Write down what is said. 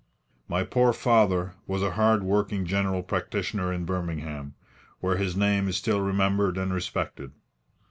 "My poor father was a hard working general practitioner in Birmingham, where his name is still remembered and respected.